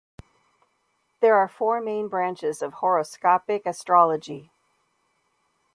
There are four main branches of horoscopic astrology.